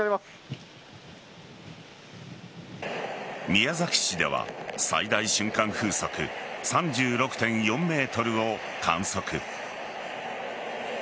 宮崎市では最大瞬間風速３６．４メートルを観測。